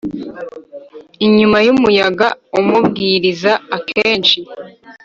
inyuma y umuyaga Umubwiriza Akenshi